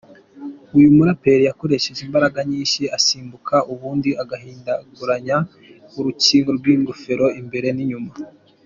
Uyu muraperi yakoresheje imbaraga nyinshi asimbuka, ubundi agahindaguranya urukinga rw’ingofero imbere n’inyuma.